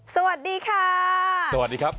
สวัสดีค่ะสวัสดีครับ